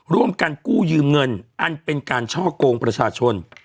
ร่วมกันกู้ยืมเงินอันเป็นการช่อกงประชาชน